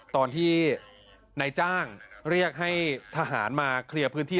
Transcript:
ตอนที่นายจ้างเรียกให้ทหารมาเคลียร์พื้นที่